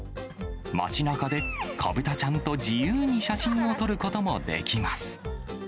街なかで子豚ちゃんと自由に写真を撮ることもできます。